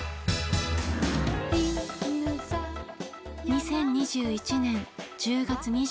２０２１年１０月２７日。